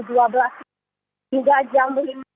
juga jam lima belas